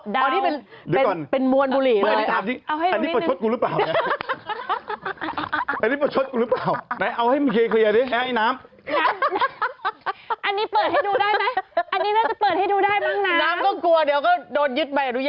ดาวเป็นมวลบุหรี่เลยอะเดี๋ยวก่อน